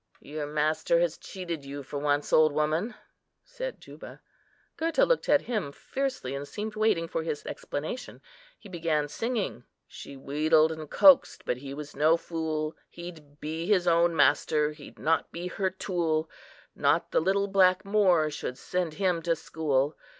"Your master has cheated you for once, old woman," said Juba. Gurta looked at him fiercely, and seemed waiting for his explanation. He began singing,— "She wheedled and coaxed, but he was no fool; He'd be his own master, he'd not be her tool; Not the little black moor should send him to school.